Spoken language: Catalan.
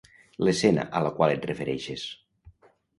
L'escena a la qual et refereixes